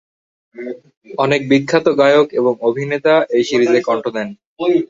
অনেক বিখ্যাত গায়ক এবং অভিনেতা এই সিরিজে কণ্ঠ দেন।